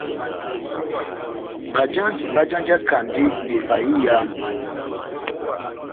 Bajanji bájanjakandi na ivaha iyamu.